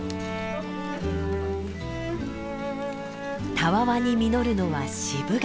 たわわに実るのは渋柿。